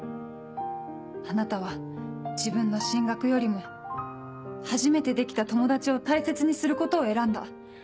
あなたは自分の進学よりも初めてできた友達を大切にすることを選んだ。